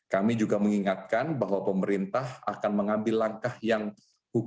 kami juga mengingatkan bahwa untuk mencari minyak goreng yang tidak berbeda kita harus memiliki kemampuan yang lebih kuat